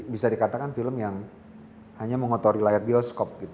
bisa dikatakan film yang hanya mengotori layar bioskop